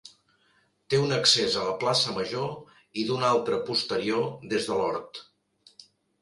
Té un accés a la plaça Major i d'un altre posterior des de l'hort.